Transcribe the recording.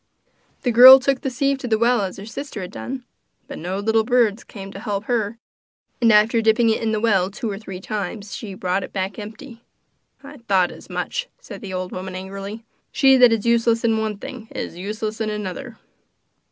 The girl took the sieve and carried it to the well as her sister had done; but no little birds came to help her, and after dipping it in the well two or three times she brought it back empty. 'I thought as much,' said the old woman angrily; 'she that is useless in one thing is useless in another.